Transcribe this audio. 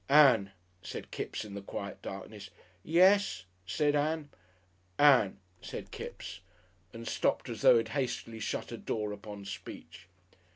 "Ann," said Kipps in the quiet darkness. "Yes," said Ann. "Ann," said Kipps, and stopped as though he had hastily shut a door upon speech.